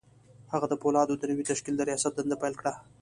هغه د پولادو د نوي تشکیل د رياست دنده پیل کړه